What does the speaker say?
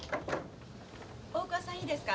大桑さんいいですか？